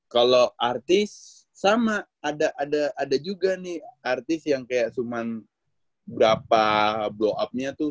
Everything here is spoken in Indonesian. kalau artis sama ada juga nih artis yang kayak cuman berapa blow up nya tuh